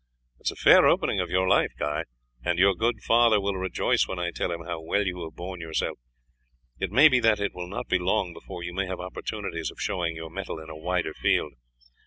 It is a fair opening of your life, Guy, and your good father will rejoice when I tell him how well you have borne yourself. It may be that it will not be long before you may have opportunities of showing your mettle in a wider field.